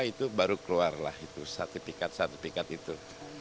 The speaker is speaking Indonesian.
itu baru keluarlah itu satu pikat satu pikat itu